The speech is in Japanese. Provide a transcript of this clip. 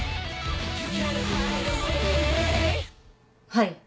はい。